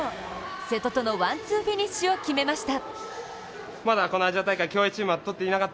瀬戸とのワンツーフィニッシュを決めました。